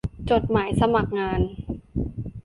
จดหมายสมัครงาน